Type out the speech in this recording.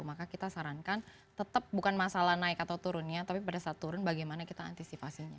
maka kita sarankan tetap bukan masalah naik atau turunnya tapi pada saat turun bagaimana kita antisipasinya